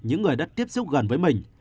những người đã tiếp xúc gần với mình